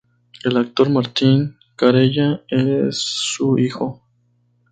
El actor Martín Carella es su hijo.